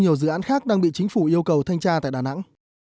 nhiều dự án khác đang bị chính phủ yêu cầu thanh tra tại đà nẵng